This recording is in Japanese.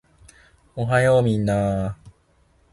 おはようみんなー